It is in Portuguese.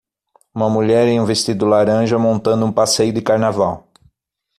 Uma mulher em um vestido laranja, montando um passeio de carnaval.